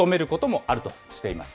推奨するとしています。